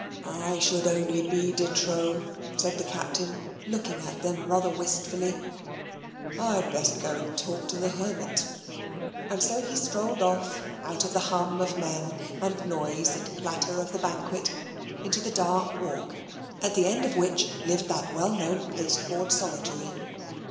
"I should only be de trop," said the Captain, looking at them rather wistfully. "I'd best go and talk to the hermit," and so he strolled off out of the hum of men, and noise, and clatter of the banquet, into the dark walk, at the end of which lived that well known pasteboard Solitary.